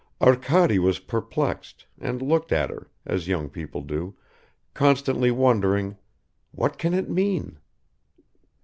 Arkady was perplexed, and looked at her, as young people do, constantly wondering: "What can it mean?"